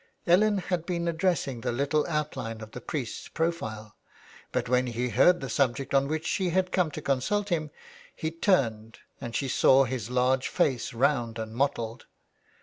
Ellen had been addressing the little outline of the priest's profile, but when he heard the subject on which she had come to consult him he turned and she saw his large face, round and mottled.